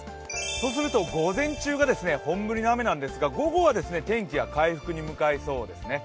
そうすると午前中が本降りの雨なんですが、午後は天気は回復に向かいそうですね。